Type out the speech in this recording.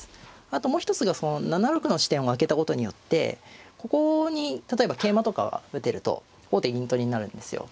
あともう一つが７六の地点を空けたことによってここに例えば桂馬とかが打てると王手銀取りになるんですよ。